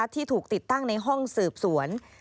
ที่ถูกติดตั้งในห้องสืบสวน